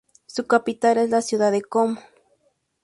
Su capital es la ciudad de Como.